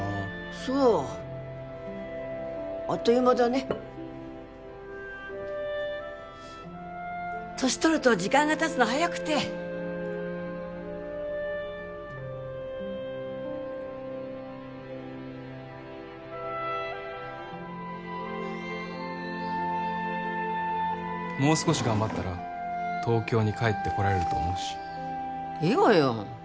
そうあっという間だね年取ると時間がたつの早くてもう少し頑張ったら東京に帰ってこられると思うしいいわよ